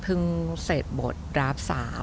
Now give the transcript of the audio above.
เพิ่งเสร็จบทราป๓